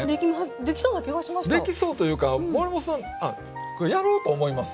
できそうというか守本さんこれやろうと思いますよね。